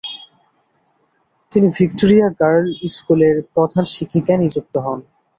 তিনি Victoria girl স্কুলের প্রধান শিক্ষিকা নিযুক্ত হন।